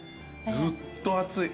ずっと熱い。